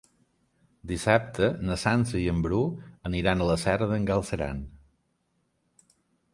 Dissabte na Sança i en Bru aniran a la Serra d'en Galceran.